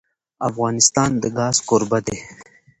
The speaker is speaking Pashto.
افغانستان د ګاز کوربه دی.